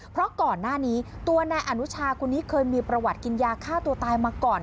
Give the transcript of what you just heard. เพราะก่อนหน้านี้ตัวนายอนุชาคนนี้เคยมีประวัติกินยาฆ่าตัวตายมาก่อน